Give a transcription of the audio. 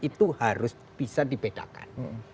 itu harus bisa dibedakan